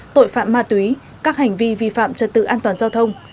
tội phạm ma túy các hành vi vi phạm trật tự an toàn giao thông